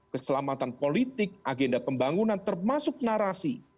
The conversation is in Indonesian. keselamatan politik agenda pembangunan termasuk narasi